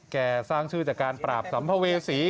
สร้างชื่อจากการปราบสัมภเวษี